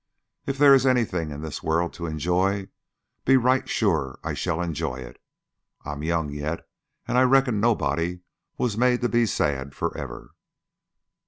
If there is anything in this world to enjoy, be right sure I shall enjoy it. I'm young yet, and I reckon nobody was made to be sad for ever."